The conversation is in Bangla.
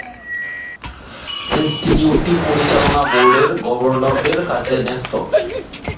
ইনস্টিটিউটটি পরিচালনা বোর্ডের গভর্নরদের কাছে ন্যস্ত।